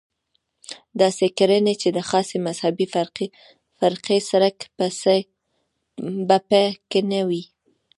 داسې کړنې چې د خاصې مذهبي فرقې څرک به په کې نه وي.